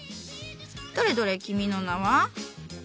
どれどれ君の名は？